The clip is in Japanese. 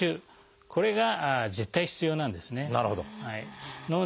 これが絶対必要なんですね。